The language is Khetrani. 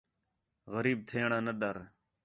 غریب تھیݨ آ نہ ݙَر